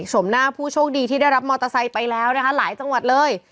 สมหน้าผู้โชคดีที่ได้รับมอเตอร์ไซค์ไปแล้วนะคะหลายจังหวัดเลย